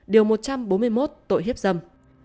điều một trăm bốn mươi một tội hiếp dâm